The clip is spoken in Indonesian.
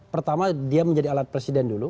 pertama dia menjadi alat presiden dulu